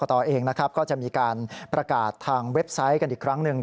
เองนะครับก็จะมีการประกาศทางเว็บไซต์กันอีกครั้งหนึ่ง